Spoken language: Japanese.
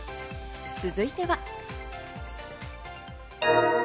続いては。